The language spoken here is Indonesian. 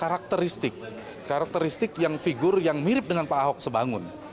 karakteristik karakteristik yang figur yang mirip dengan pak ahok sebangun